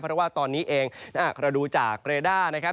เพราะว่าตอนนี้เองถ้าหากเราดูจากเรด้านะครับ